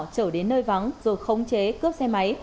trở đến nơi vắng rồi khống chế cướp xe máy